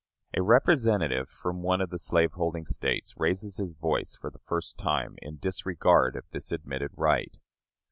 A representative from one of the slaveholding States raises his voice for the first time in disregard of this admitted right.